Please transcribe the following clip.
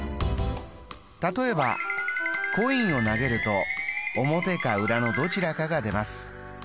例えばコインを投げると表か裏のどちらかが出ます。